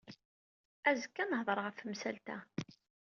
Azekka ad nehder ɣef temsalt-a.